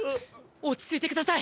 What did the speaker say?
落ち着いて下さい！